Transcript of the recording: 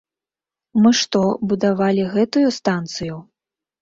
Мы што, будавалі гэтую станцыю?